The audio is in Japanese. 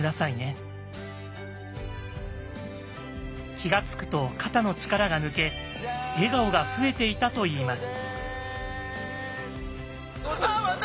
気が付くと肩の力が抜け笑顔が増えていたといいます。